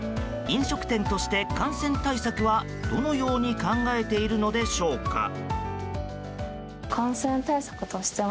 飲食店として感染対策はどのように考えているのでしょうか。